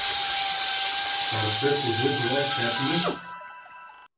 Ҡарсыҡ үҙе былай шәпме?